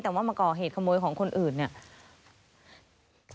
แต่ว่ามาก่อเหตุขโมยของคนอื่นเนี่ย